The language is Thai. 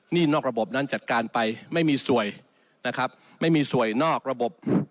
นี่นอกระบบนั้นจัดการไปไม่มีสวยนะครับไม่มีสวยนอกระบบ